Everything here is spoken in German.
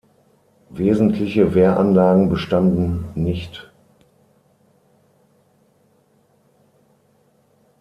Wesentliche Wehranlagen bestanden nicht.